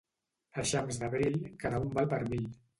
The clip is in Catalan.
Eixams d'abril, cada un val per mil.